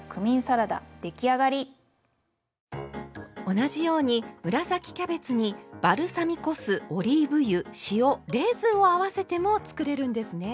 同じように紫キャベツにバルサミコ酢オリーブ油塩レーズンを合わせても作れるんですね。